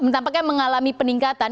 tampaknya mengalami peningkatan